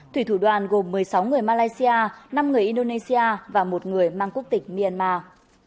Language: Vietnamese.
thủy thủ đoàn gồm một mươi sáu người malaysia năm người indonesia và một người mang quốc tịch myanmar